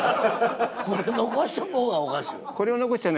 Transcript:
これ残しとく方がおかしいわ。